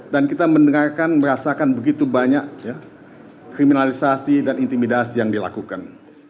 dan kita mendengarkan merasakan begitu banyak kriminalisasi dan intimidasi yang dilakukan